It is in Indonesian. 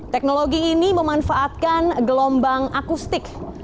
teknologi ini memanfaatkan gelombang akustik